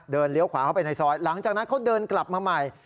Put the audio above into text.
เลี้ยวขวาเข้าไปในซอยหลังจากนั้นเขาเดินกลับมาใหม่